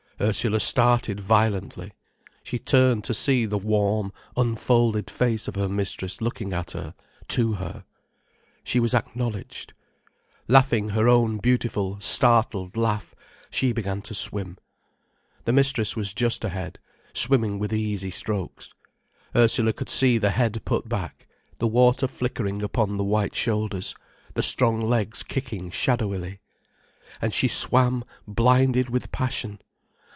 Ursula started violently. She turned to see the warm, unfolded face of her mistress looking at her, to her. She was acknowledged. Laughing her own beautiful, startled laugh, she began to swim. The mistress was just ahead, swimming with easy strokes. Ursula could see the head put back, the water flickering upon the white shoulders, the strong legs kicking shadowily. And she swam blinded with passion.